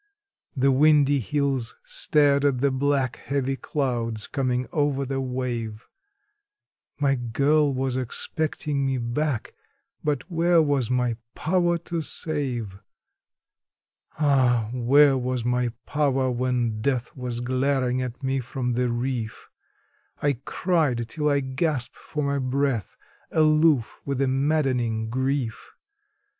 The windy hills stared at the black, heavy clouds coming over the wave; My girl was expecting me back, but where was my power to save? Ah! where was my power, when Death was glaring at me from the reef? I cried till I gasped for my breath, aloof with a maddening grief.